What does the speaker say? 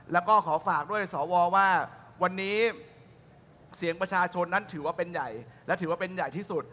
แล้วก็ขอฝากด้วยสวว่าวันนี้เสียงประชาชนนั้นถือว่าเป็นใหญ่และถือว่าเป็นใหญ่ที่สุด